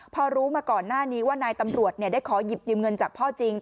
พอรู้มาก่อนหน้านี้ว่านายตำรวจได้ขอหยิบยืมเงินจากพ่อจริง